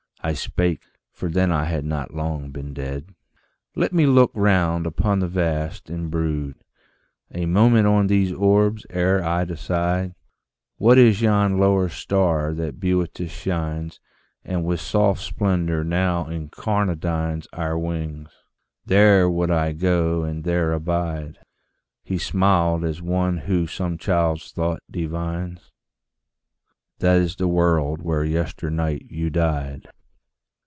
I spake for then I had not long been dead "Let me look round upon the vasts, and brood A moment on these orbs ere I decide ... What is yon lower star that beauteous shines And with soft splendor now incarnadines Our wings? There would I go and there abide." He smiled as one who some child's thought divines: "That is the world where yesternight you died."